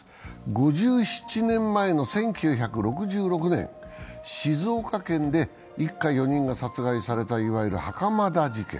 ５７年前の１９６６年、静岡県で一家４人が殺害された、いわゆる袴田事件。